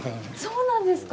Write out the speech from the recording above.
そうなんですか。